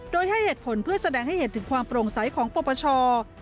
โดยให้เหตุผลเพื่อแสดงให้เห็นถึงความโปร่งใสของปปช